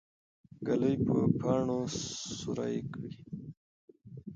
ږلۍ به پاڼه سوری کړي.